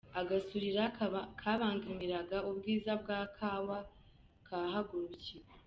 Agasurira kabangamiraga ubwiza bwa Kawa kahagurukiwe